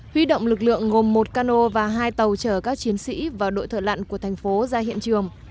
huy động lực lượng ngồm một cano và hai tàu chở các chiến sĩ và đội thợ lặn của tp hcm ra hiện trường